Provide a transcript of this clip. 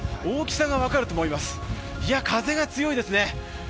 大きさが分かると思います、風が強いですね。